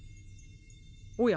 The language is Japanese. おや？